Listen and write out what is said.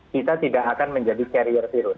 kita tidak akan menjadi carrier virus